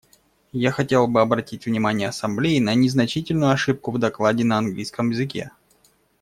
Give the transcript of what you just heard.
Я хотела бы обратить внимание Ассамблеи на незначительную ошибку в докладе на английском языке.